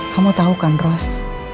kamu tau kan ros